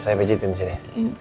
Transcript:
saya pijit disini